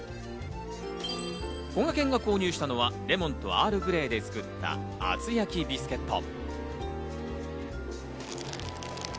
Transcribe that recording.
こがけんが購入したのはレモンとアールグレイで作った厚焼きビスケット。